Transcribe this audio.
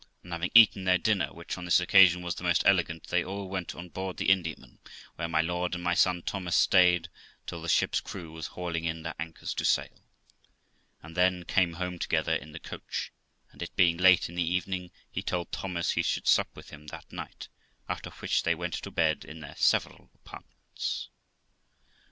And having eaten their dinner, which on this occasion was the most elegant, they all went on board the Indiaman, where my lord and my son Thomas stayed till the ship's crew was hauling in their anchors to sail, and then came home together in the coach, and, it being late in the evening, he told Thomas he should sup with him that night, after which they went to bed in their several apartments.